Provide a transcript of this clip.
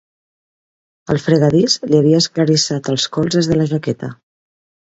El fregadís li havia esclarissat els colzes de la jaqueta.